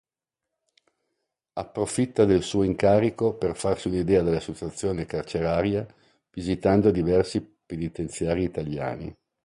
Approfitta del suo incarico per farsi un'idea della situazione carceraria visitando diversi penitenziari italiani.